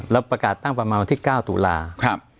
ประกาศตั้งประมาณวันที่๙ตุลาคม